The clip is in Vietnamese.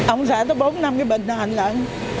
ông xã tôi bốn năm cái bệnh nền lận